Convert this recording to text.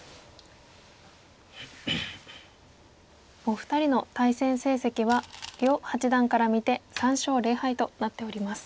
お二人の対戦成績は余八段から見て３勝０敗となっております。